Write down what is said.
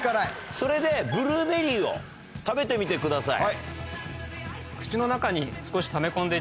それでブルーベリーを食べてみてください。